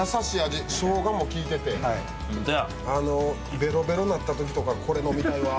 ベロベロになったときとかこれ飲みたいわぁ。